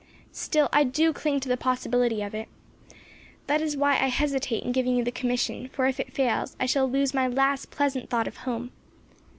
Still, I do cling to the possibility of it. That is why I hesitate in giving you the commission, for if it fails I shall lose my last pleasant thought of home.